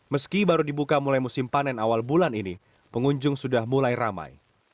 meski baru dibuka mulai musim panen awal bulan ini pengunjung sudah mulai ramai